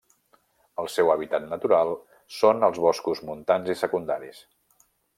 El seu hàbitat natural són els boscos montans i secundaris.